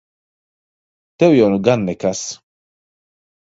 Tev jau nu gan nekas!